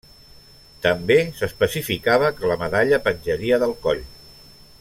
També s'especificava que la medalla penjaria del coll.